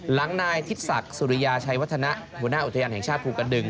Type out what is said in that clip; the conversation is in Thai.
หลังนายทิศศักดิ์สุริยาชัยวัฒนะหัวหน้าอุทยานแห่งชาติภูกระดึง